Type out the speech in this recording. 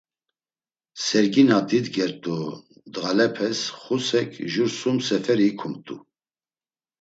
Sergi na didgert̆u ndğalepes Xusek, jur sum seferi ikumt̆u.